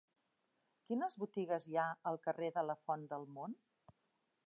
Quines botigues hi ha al carrer de la Font del Mont?